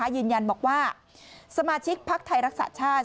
ยืนยันบอกว่าสมาชิกภักดิ์ไทยรักษาชาติ